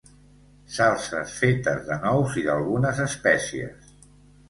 Salses fetes de nous i d'algunes espècies.